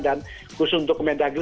dan khusus untuk mendagri